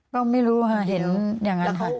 ก็ไม่รู้เห็นอย่างนั้นทัน